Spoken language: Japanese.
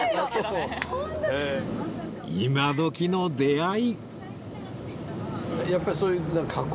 今どきの出会い